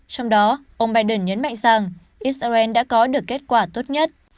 trong đó ông biden nhấn mạnh rằng israel đã có được kết quả tốt nhất